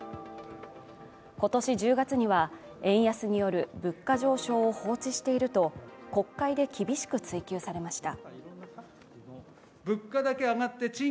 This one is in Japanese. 今年１０月には円安による物価上昇を放置していると国会で厳しく追及されました。